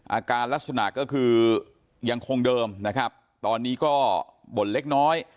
อาการลักษณะก็คือยังคงเดิมนะครับตอนนี้ก็บ่นเล็กน้อย